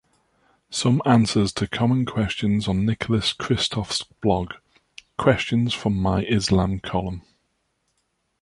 Some answers to common questions on Nicholas Kristof's blog: Questions from My Islam Column.